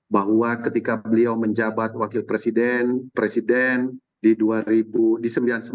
bahwa ketika beliau menjabat wakil presiden di dua ribu sembilan dua ribu tiga dua ribu empat